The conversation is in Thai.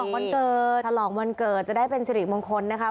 วันเกิดฉลองวันเกิดจะได้เป็นสิริมงคลนะคะ